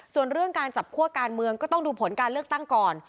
ส่วนเรื่องการจับคั่วการเมืองก็ต้องดูผลการเลือกตั้งก่อน